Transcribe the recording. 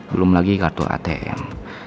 belum lagi kartu atm